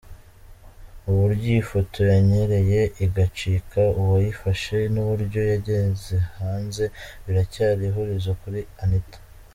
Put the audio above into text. Uburyo iyi foto yanyereye igacika uwayifashe n’uburyo yageze hanze, biracyari ihurizo kuri Anita.